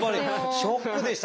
ショックですよ！